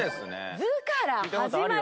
「ズ」から始まる。